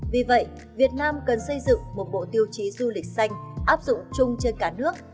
vì vậy việt nam cần xây dựng một bộ tiêu chí du lịch xanh áp dụng chung trên cả nước